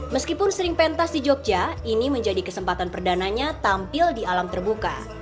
meskipun sering pentas di jogja ini menjadi kesempatan perdananya tampil di alam terbuka